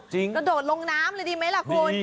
กระโดดลงน้ำเลยดีไหมล่ะคุณ